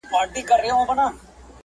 نه پوهیږم د اردو ژبي کوم